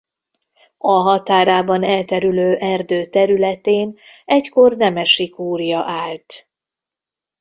A határában elterülő erdő területén egykor nemesi kúria állt.